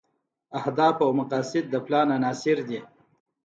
اهداف او مقاصد د پلان عناصر دي.